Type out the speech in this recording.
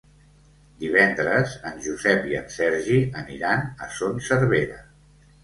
Divendres en Josep i en Sergi aniran a Son Servera.